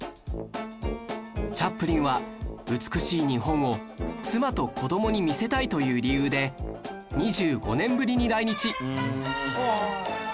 チャップリンは美しい日本を妻と子供に見せたいという理由で２５年ぶりに来日